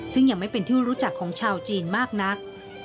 ซึ่งยังไม่เป็นที่รู้จักของชาวจีนมากนัก